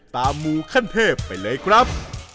มูขั้นเทพไปเลยครับ